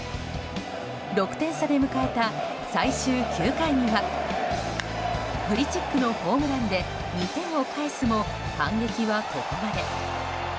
６点差で迎えた最終９回の裏グリチックのホームランで２点を返すも反撃はここまで。